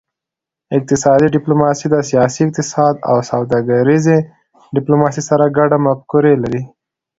اقتصادي ډیپلوماسي د سیاسي اقتصاد او سوداګریزې ډیپلوماسي سره ګډې مفکورې لري